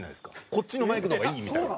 こっちのマイクの方がいいみたいな。